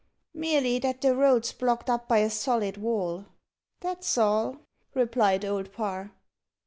"Merely that the road's blocked up by a solid wall that's all," replied Old Parr.